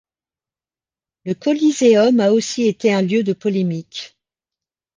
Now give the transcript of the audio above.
Le Coliseum a aussi été un lieu de polémique.